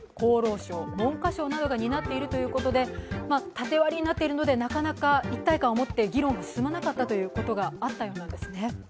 縦割りになっているので、なかなか一体感になって議論が進まなかったということがあったようなんですね。